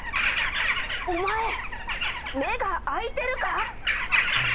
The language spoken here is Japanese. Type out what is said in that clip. お前、目があいてるか？